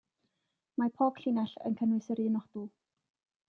Mae pob llinell yn cynnwys yr un odl.